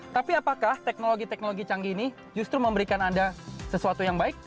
tapi apakah teknologi teknologi canggih ini justru memberikan anda sesuatu yang baik